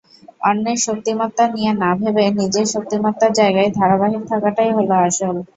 অন্যের শক্তিমত্তা নিয়ে না ভেবে নিজের শক্তিমত্তার জায়গায় ধারাবাহিক থাকাটাই হলো আসল।